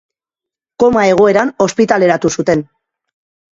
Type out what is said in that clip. Koma egoeran ospitaleratu zuten.